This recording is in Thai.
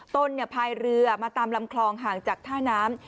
พายเรือมาตามลำคลองห่างจากท่าน้ำ